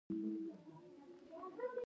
نه، هم واده نه دی کړی.